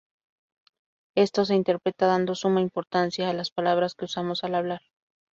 Esto se interpreta dando suma importancia a las palabras que usamos al hablar.